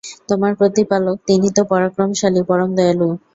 তোমার প্রতিপালক, তিনি তো পরাক্রমশালী, পরম দয়ালু।